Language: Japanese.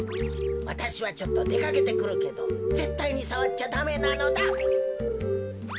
わたしはちょっとでかけてくるけどぜったいにさわっちゃダメなのだ。